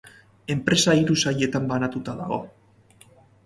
Enpresa hiru sailetan banatua dago.